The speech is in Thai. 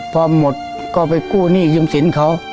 พอหมดก็ไปกู้หนี้ยืมสินเขา